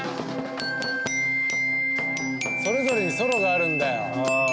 それぞれにソロがあるんだよ。